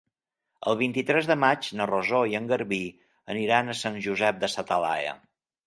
El vint-i-tres de maig na Rosó i en Garbí aniran a Sant Josep de sa Talaia.